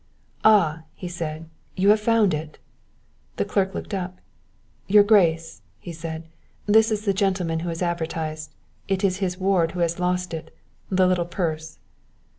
"Ah!" he said. "You have found it?" The clerk looked up. "Your Grace," he said, "this is the gentleman who has advertised. It is his ward who has lost it the little purse."